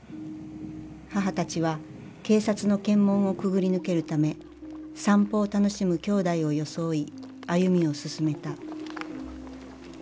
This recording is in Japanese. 母たちは警察の検問をくぐり抜けるため散歩を楽しむ兄弟を装い歩みを進めた。